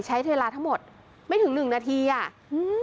ใช้เวลาทั้งหมดไม่ถึงหนึ่งนาทีอ่ะอืม